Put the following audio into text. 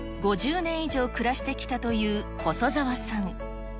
５０年以上暮らしてきたという細澤さん。